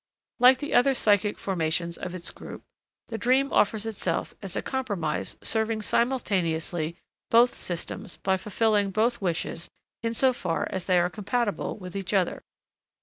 Like the other psychic formations of its group, the dream offers itself as a compromise serving simultaneously both systems by fulfilling both wishes in so far as they are compatible with each other.